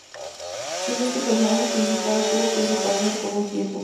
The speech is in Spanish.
Siendo este el personaje principal, tuvo que desaparecer por un tiempo.